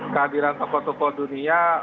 kehadiran tokoh tokoh dunia